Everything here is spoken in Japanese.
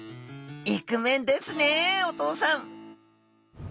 イクメンですねお父さん！